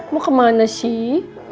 mau ke mana sih